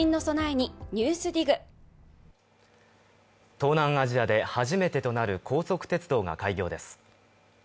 東南アジアで初めてとなる高速鉄道が開業です。